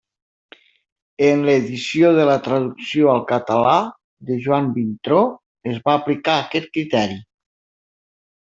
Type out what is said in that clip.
En l'edició de la traducció al català de Joan Vintró es va aplicar aquest criteri.